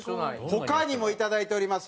他にもいただいております。